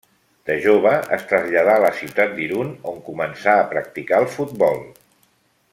De jove es traslladà a la ciutat d'Irun, on començà a practicar el futbol.